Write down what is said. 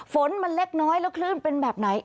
ฝนมันเล็กน้อยแล้วคลื่นเป็นแบบไหน